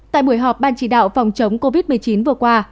tại buổi họp ban chỉ đạo phòng chống covid một mươi chín vừa qua